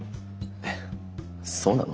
えっそうなの？